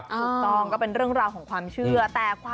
ถูกต้องก็เป็นเรื่องราวของความเชื่อ